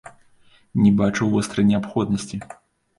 Не бачу вострай неабходнасці.